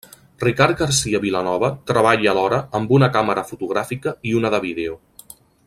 Ricard Garcia Vilanova treballa alhora amb una càmera fotogràfica i una de vídeo.